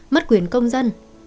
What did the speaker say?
mất quyền công dân